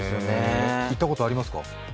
行ったことありますか？